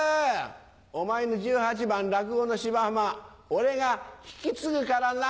お前の十八番落語の『芝浜』俺が引き継ぐからな！